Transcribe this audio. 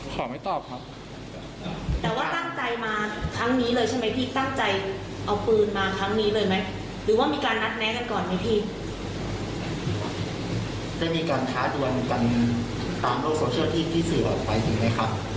ใช่ยังไม่ได้